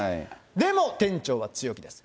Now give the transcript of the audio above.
でも、店長は強気です。